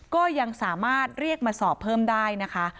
ก็ยังสามารถเรียกมาสอบเพิ่มได้นะคะ